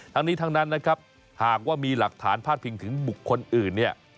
ทั้งนี้ทั้งนั้นนะครับหากว่ามีหลักฐานพาดพิงถึงบุคคลอื่นเนี่ย